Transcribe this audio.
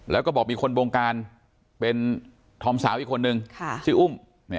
แล้วก็บอกมีคนบงการเป็นธอมสาวอีกคนนึงชื่ออุ้ม